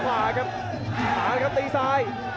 หานะครับตีซ้าย